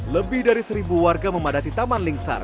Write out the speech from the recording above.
lebih dari seribu warga memadati taman lingsar